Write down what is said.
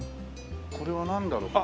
これはなんだろう？